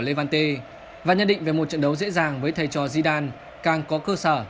levante và nhận định về một trận đấu dễ dàng với thầy trò zidane càng có cơ sở